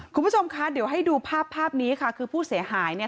คุณผู้ชมคะเดี๋ยวให้ดูภาพภาพนี้ค่ะคือผู้เสียหายเนี่ย